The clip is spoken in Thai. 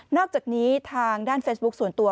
อกจากนี้ทางด้านเฟซบุ๊คส่วนตัว